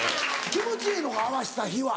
気持ちええのか合わした日は。